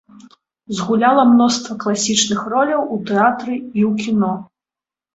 Згуляла мноства класічных роляў у тэатры і ў кіно.